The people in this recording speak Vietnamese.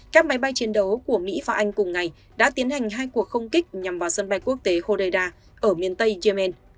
các máy bay chiến đấu của mỹ và anh cùng ngày đã tiến hành hai cuộc không kích nhằm vào sân bay quốc tế hodeida ở miền tây yemen